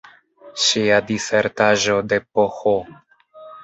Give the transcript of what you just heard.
Ŝia disertaĵo de Ph.